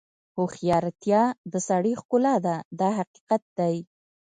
هوښیارتیا د سړي ښکلا ده دا حقیقت دی.